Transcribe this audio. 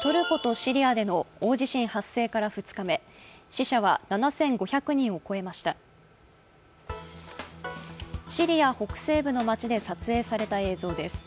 シリア北西部の町で撮影された映像です。